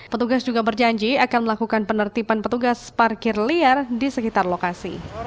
petugas juga berjanji akan melakukan penertiban petugas parkir liar di sekitar lokasi